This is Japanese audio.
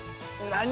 何。